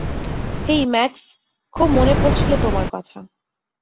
হেই, Max, খুব মনে পড়ছিল তোমার কথা!